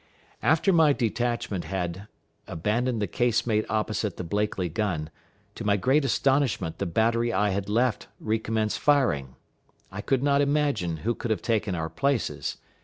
After my detachment had abandoned the casemate opposite the Blakely gun, to my great astonishment the battery I had left recommenced firing. I could not imagine who could have taken our places.